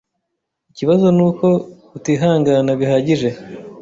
Ikibazo nuko utihangana bihagije.